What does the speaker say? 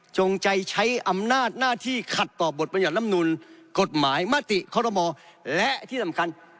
จงใจใช้อำนาจหน้าที่ขัดต่อบทบรรยัติลำนูลกฎหมายมติคอรมอและที่สำคัญ